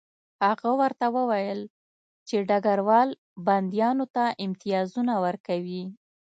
هغه ورته وویل چې ډګروال بندیانو ته امتیازونه ورکوي